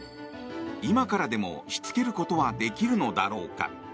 今からでも、しつけることはできるのだろうか。